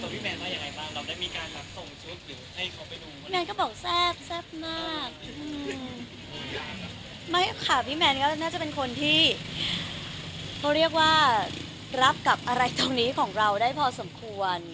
พี่แมนก็บอกแซ่บแซ่บมากอืมไม่ค่ะพี่แมนก็น่าจะเป็นคนที่เพราะเรียกว่ารับกับอะไรตรงนี้ของเราได้พอสมควร